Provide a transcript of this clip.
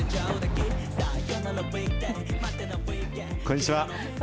こんにちは。